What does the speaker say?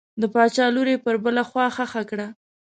د باچا لور یې پر بله خوا ښخه کړه.